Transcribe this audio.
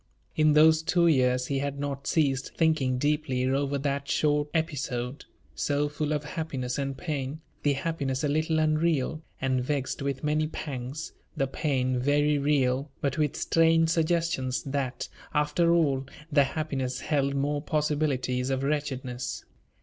In those two years he had not ceased thinking deeply over that short episode, so full of happiness and pain the happiness a little unreal, and vexed with many pangs; the pain very real, but with strange suggestions that, after all, the happiness held more possibilities of wretchedness.